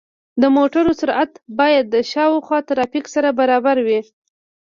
د موټرو سرعت باید د شاوخوا ترافیک سره برابر وي.